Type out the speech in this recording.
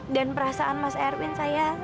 dan perasaan mas erwin saya